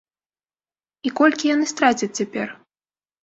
І колькі яны страцяць цяпер?